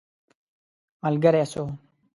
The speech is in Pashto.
ملګری سو.